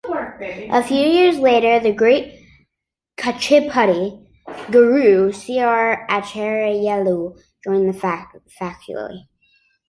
A few years later the great Kuchipudi guru, c R Acharyelu joined the faculty.